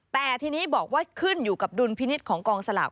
แต่ทีนี้บอกว่าขึ้นอยู่กับดุลพินิษฐ์ของกองสลาก